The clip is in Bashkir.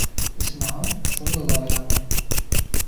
Исмаһам, шуны ла уйламай.